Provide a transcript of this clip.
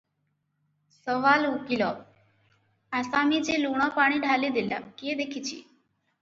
ସୱାଲ ଉକୀଲ - ଆସାମୀ ଯେ ଲୁଣ ପାଣି ଢାଳି ଦେଲା, କିଏ ଦେଖିଛି?